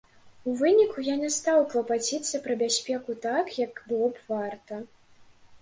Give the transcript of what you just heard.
У выніку я не стаў клапаціцца пра бяспеку так, як было б варта.